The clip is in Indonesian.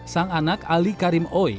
sang anak ali karim oi